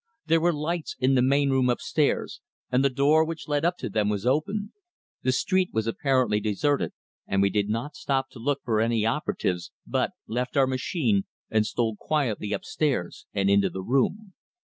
There were lights in the main room upstairs, and the door which led up to them was open. The street was apparently deserted, and we did not stop to look for any "operatives," but left our machine and stole quietly upstairs and into the room.